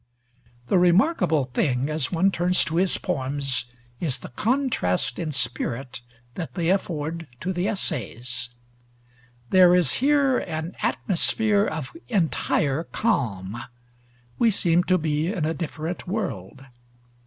The remarkable thing, as one turns to his poems, is the contrast in spirit that they afford to the essays: there is here an atmosphere of entire calm. We seem to be in a different world.